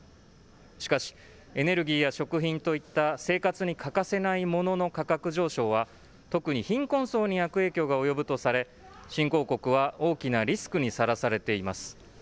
しかし、エネルギーや食品といった生活に欠かせないものの価格上昇は、特に貧困層に悪影響が及ぶとされ、新興国は大きなリスクにさらされています。